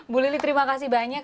bu lili terima kasih banyak